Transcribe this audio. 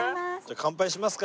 乾杯しますか？